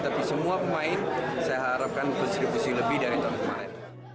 tapi semua pemain saya harapkan berstribusi lebih dari tahun kemarin